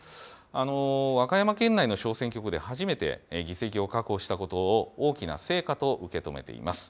和歌山県内の小選挙区で初めて議席を確保したことを大きな成果と受け止めています。